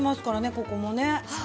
ここもね。